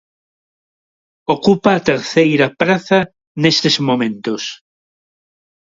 Ocupa a terceira praza nestes momentos.